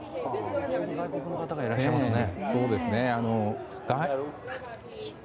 外国の方がいらっしゃいますね。